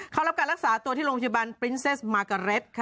เขารับการรักษาตัวที่โรงพยาบาลปริ้นเซสมากาเร็ดค่ะ